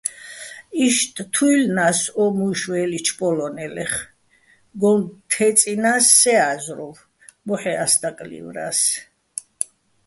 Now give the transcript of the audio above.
იშტ თუჲლნა́ს ო მუჲში̆ ვე́ლიჩო̆ პოლო́ნელეხ, გოჼ თე́წჲინას სე ა́ზრუვ, მოჰ̦ე́ ას დაკლივრა́ს.